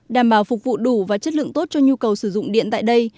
đảm bảo phục vụ đủ và chất lượng tốt cho nhu cầu sử dụng điện tại đây